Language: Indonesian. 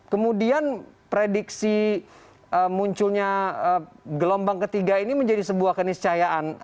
kemudian prediksi munculnya gelombang ketiga ini menjadi sebuah keniscayaan